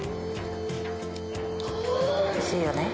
おいしいよね。